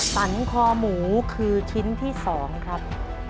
สันคอหมูคือชิ้นที่๒ครับ